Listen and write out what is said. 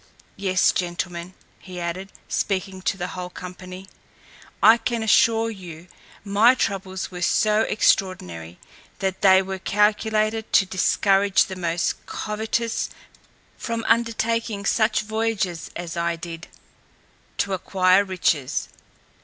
Yes, gentlemen," he added, speaking to the whole company, "I can assure you, my troubles were so extraordinary, that they were calculated to discourage the most covetous from undertaking such voyages as I did, to acquire riches.